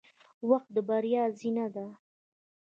• وخت د بریا زینه ده.